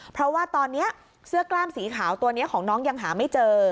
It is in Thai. เพราะว่าตอนนี้เสื้อกล้ามสีขาวตัวนี้ของน้องยังหาไม่เจอ